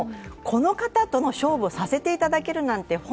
この方との勝負をさせていただけるなんて